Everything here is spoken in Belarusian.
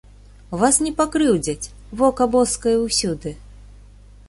Вас не пакрыўдзяць, вока боскае ўсюды.